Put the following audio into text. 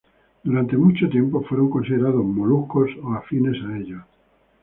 Durante mucho tiempo fueron considerados moluscos o afines a ellos.